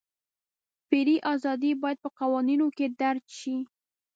فري ازادۍ باید په قوانینو کې درج شي.